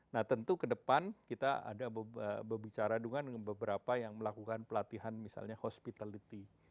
nah tentu ke depan kita ada berbicara dengan beberapa yang melakukan pelatihan misalnya hospitality